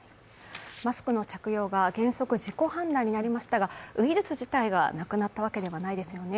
マスクの着用が原則、自己判断になりましたが、ウイルス自体がなくなったわけではないですよね。